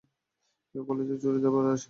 কেউ কলেজে চুড়িদার পরে আসে?